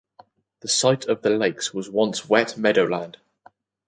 The site of the lakes was once wet meadowland.